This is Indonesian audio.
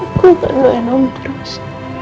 aku akan melayan om terus